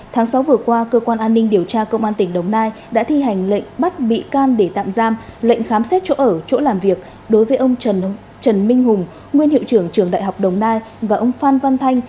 tháng sáu vừa qua cơ quan an ninh điều tra công an tỉnh đồng nai đã thi hành lệnh bắt bị can để tạm giam lệnh khám xét chỗ ở chỗ làm việc đối với ông trần minh hùng nguyên hiệu trưởng trường đại học đồng nai và ông phan văn thanh